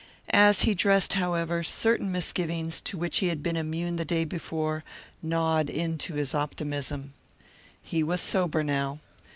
As he dressed, however, certain misgivings, to which he had been immune the day before, gnawed into his optimism. He was sober now.